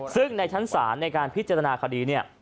ซึ่งในชั้นศาลในการพิจารณาคดีเนี่ย